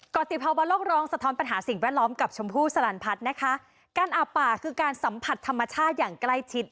กรติภาวะโลกร้องสะท้อนปัญหาสิ่งแวดล้อมกับชมพู่สลันพัฒน์นะคะการอาบป่าคือการสัมผัสธรรมชาติอย่างใกล้ชิด